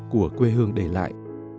của quê hương để lại